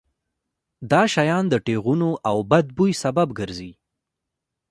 دا شیان د ټېغونو او بد بوی سبب ګرځي.